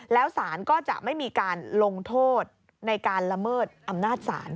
แล้วสารก็จะไม่มีการลงโทษในการละเมิดอำนาจศาล